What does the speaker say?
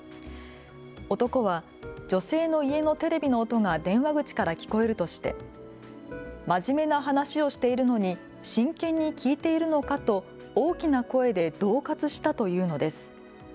男は女性の家のテレビの音が電話口から聞こえるとして真面目な話をしているのに真剣に聞いているのかと大きな声でどう喝したというのです。